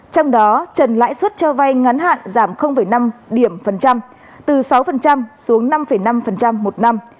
trong đó trần lãi suất cho vay ngắn hạn giảm năm điểm phần trăm từ sáu xuống năm năm một năm